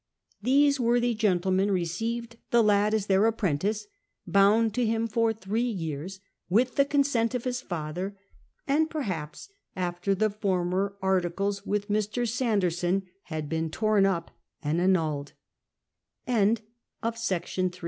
These worthy gentlemen received the lad as their apprentice, bound to them for three years, with the consent of his father, and perhaps after the former articles with Mr. Samjpr son had been torn up a